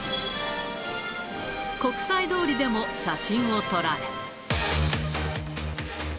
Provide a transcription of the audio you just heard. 国際通りでも写真を撮られ。